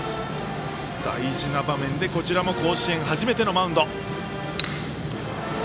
大事な場面でこちらも甲子園初めてのマウンド。